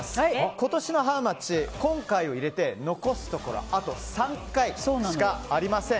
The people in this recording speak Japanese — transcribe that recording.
今年のハウマッチ、今回を入れて残すところあと３回しかありません。